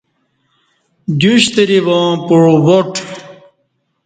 دیو شتری واں پعو واٹ